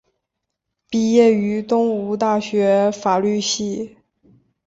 毕业于东吴大学法律系。